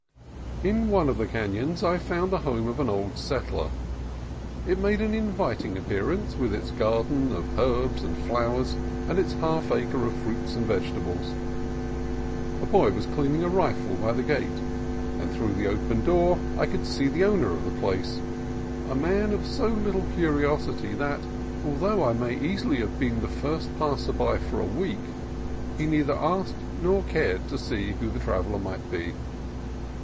In one of the canons I found the home of an old settler. It made an inviting appearance, with its garden of herbs and flowers and its half acre of fruits and vegetables. A boy was cleaning a rifle by the gate, and through the open door I could see the owner of the place; a man of so little curiosity that, although I may easily have been the first passer by for a week, he neither asked nor cared to see who the traveller might be.